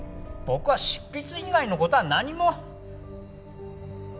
僕は執筆以外の事は何も。